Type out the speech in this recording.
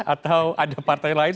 atau ada partai lain